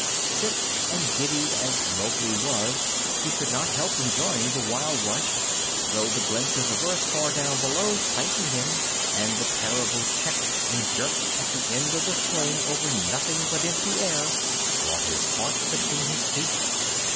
Sick and giddy as Mowgli was he could not help enjoying the wild rush, though the glimpses of earth far down below frightened him, and the terrible check and jerk at the end of the swing over nothing but empty air brought his heart between his teeth.